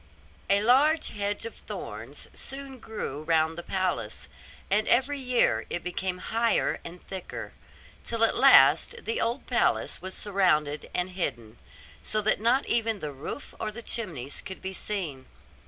A large hedge of thorns soon grew round the palace, and every year it became higher and thicker; till at last the old palace was surrounded and hidden, so that not even the roof or the chimneys could be seen.